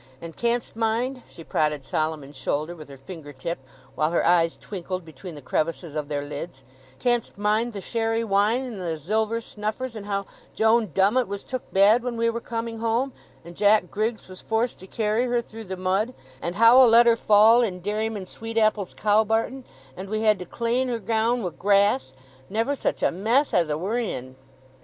And canst mind"—she prodded Solomon's shoulder with her finger tip, while her eyes twinkled between the crevices of their lids—"canst mind the sherry wine, and the zilver snuffers, and how Joan Dummett was took bad when we were coming home, and Jack Griggs was forced to carry her through the mud; and how 'a let her fall in Dairyman Sweet apple's cow barton, and we had to clane her gown wi' grass—never such a mess as 'a were in?"